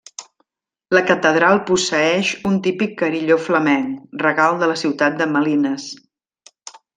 La catedral posseeix un típic carilló flamenc, regal de la ciutat de Malines.